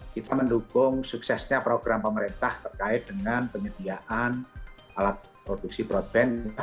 kita mendukung suksesnya program pemerintah terkait dengan penyediaan alat produksi broadband